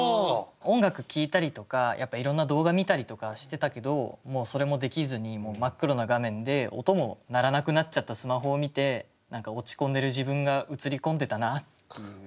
音楽聴いたりとかいろんな動画見たりとかしてたけどもうそれもできずに真っ黒な画面で音も鳴らなくなっちゃったスマホを見て何か落ち込んでる自分が映り込んでたなっていう。